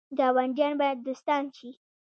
ګاونډیان باید دوستان شي